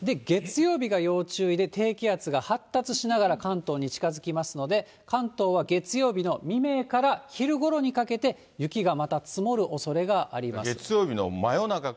月曜日が要注意で、低気圧が発達しながら関東に近づきますので、関東は月曜日の未明から昼ごろにかけて、雪がまた積もるおそれがあります。